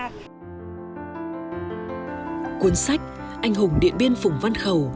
cuốn sách anh hùng điện biên phùng văn khẩu